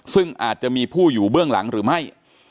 ซึ่งอาจจะมีผู้อยู่เบื้องหลังหรือไม่